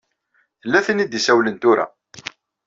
Tella tin i d-isawlen tura.